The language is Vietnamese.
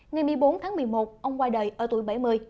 ngày một mươi bốn tháng một mươi một ông qua đời ở tuổi bảy mươi